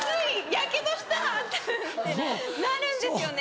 ヤケドした！ってなるんですよね。